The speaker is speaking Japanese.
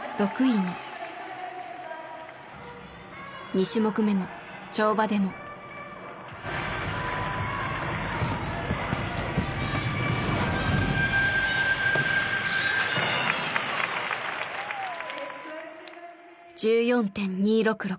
２種目目の跳馬でも。１４．２６６。